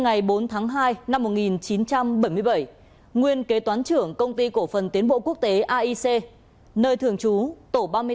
ngày bốn tháng hai năm một nghìn chín trăm bảy mươi bảy nguyên kế toán trưởng công ty cổ phần tiến bộ quốc tế aic nơi thường trú tổ ba mươi hai